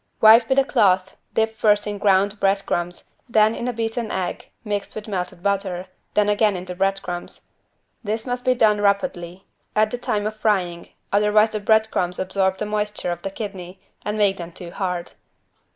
Wipe with a cloth, dip first in ground bread crumbs, then in a beaten egg mixed with melted butter, then again in the bread crumbs. This must be done rapidly, at the time of frying, otherwise the bread crumbs absorb the moisture of the kidney and make them too hard.